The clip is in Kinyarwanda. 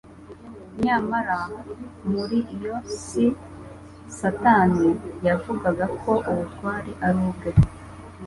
Nyamara muri iyo si Satani yavugaga ko ubutware ari ubwe